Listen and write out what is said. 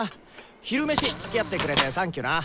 昼メシつきあってくれてサンキューな。